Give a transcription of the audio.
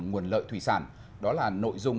nguồn lợi thủy sản đó là nội dung